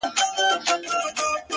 دا خواركۍ راپسي مه ږغـوه;